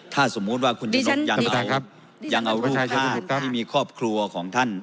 ถ้าสมมุติว่าคุณชนกยังเอารูปชาติที่มีครอบครัวของท่าน